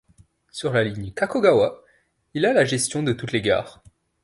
Sur la ligne Kakogawa, il a la gestion de toutes les gares.